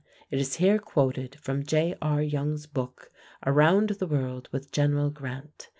It is here quoted from J.R. Young's book, Around the World with General Grant.